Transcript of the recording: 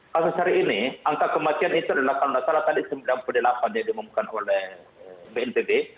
kasus hari ini angka kematian itu adalah sembilan puluh delapan yang dimemukan oleh bnpb